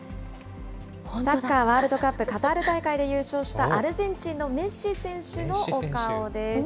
サッカーワールドカップカタール大会で優勝したアルゼンチンのメッシ選手のお顔です。